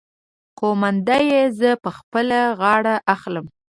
قومانده يې زه په خپله غاړه اخلم.